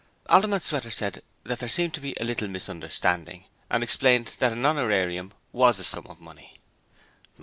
Alderman Sweater said that there seemed to be a little misunderstanding and explained that an honorarium WAS a sum of money.